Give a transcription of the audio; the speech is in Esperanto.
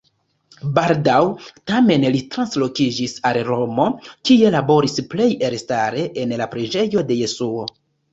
Baldaŭ tamen li translokiĝis al Romo, kie laboris, plej elstare en la preĝejo de Jesuo.